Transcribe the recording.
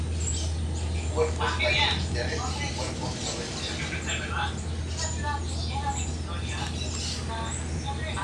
Y cuerpos hay celestiales, y cuerpos terrestres;